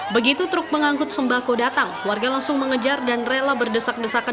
begitu truk pengangkut sembako datang warga langsung mengejar dan rela berdesak desakan